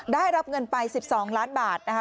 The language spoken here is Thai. ได้รับเงินไป๑๒ล้านบาทนะคะ